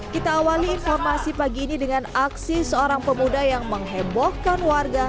kita awali informasi pagi ini dengan aksi seorang pemuda yang menghebohkan warga